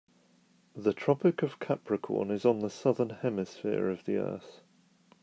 The Tropic of Capricorn is on the Southern Hemisphere of the earth.